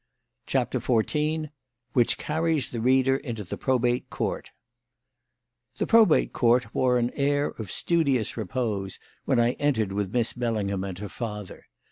CHAPTER XIV WHICH CARRIES THE READER INTO THE PROBATE COURT The Probate Court wore an air of studious repose when I entered with Miss Bellingham and her father.